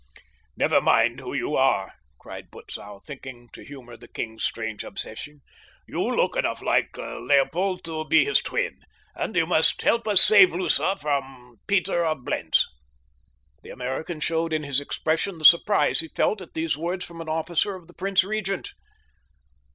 "Never mind who you are," cried Butzow, thinking to humor the king's strange obsession. "You look enough like Leopold to be his twin, and you must help us save Lutha from Peter of Blentz." The American showed in his expression the surprise he felt at these words from an officer of the prince regent.